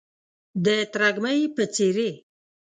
د ترږمۍ په څیرې،